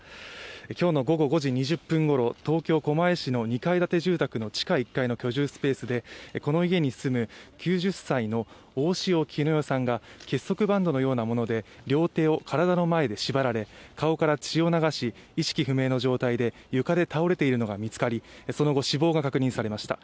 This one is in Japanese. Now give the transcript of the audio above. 今日の午後５時２０分頃、東京・狛江市の２階建て住宅の住居スペースでこの家に住む９０歳の大塩衣与さんが結束バンドのようなもので両手を体の前で縛られ、顔から血を流し、意識不明の状態で床で倒れているのが見つかり、その後、死亡が確認されました。